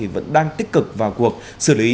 vẫn đang tích cực vào cuộc xử lý